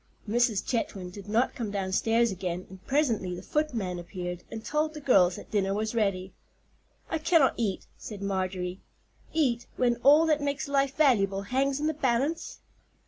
Mrs. Chetwynd did not come downstairs again; and presently the footman appeared, and told the girls that dinner was ready. "I cannot eat," said Marjorie. "Eat, when all that makes life valuable hangs in the balance?"